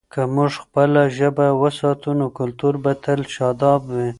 که موږ خپله ژبه وساتو، نو کلتور به تل شاداب وي.